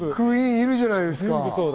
いるじゃないですか。